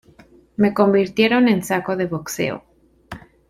Me convirtieron en saco de boxeo.